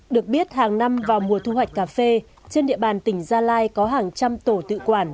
được biết hàng năm vào mùa thu hoạch cà phê trên địa bàn tỉnh gia lai có hàng trăm tổ tự quản